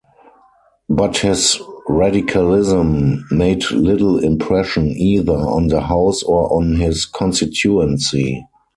But his Radicalism made little impression either on the house or on his constituency.